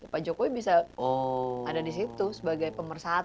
pak jokowi bisa ada di situ sebagai pemersatu